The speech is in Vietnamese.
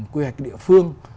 quy hoạch địa phương